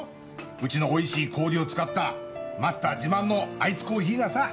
うちのおいしい氷を使ったマスター自慢のアイスコーヒーがさぁ。